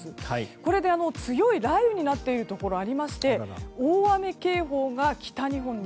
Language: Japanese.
これで強い雷雨になっているところがありまして大雨警報が北日本に。